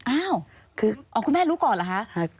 อ้าวคือคุณแม่รู้ก่อนเหรอคะ